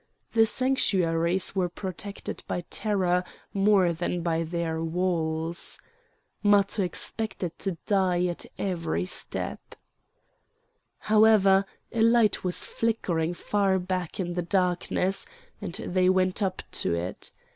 The sanctuaries were protected by terror more than by their walls. Matho expected to die at every step. However a light was flickering far back in the darkness, and they went up to it.